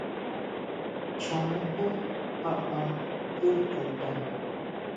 Chon xú jaʼa tsú chuta.